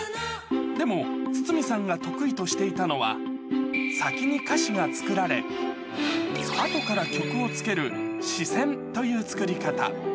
でも筒美さんが得意としていたのは、先に歌詞が作られ、あとから曲をつける、詞先という作り方。